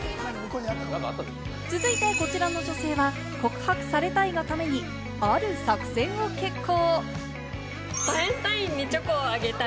続いてこちらの女性は告白されたいがために、ある作戦を決行。